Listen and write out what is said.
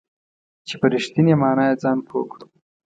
چې په رښتینې معنا یې ځان پوه کړو .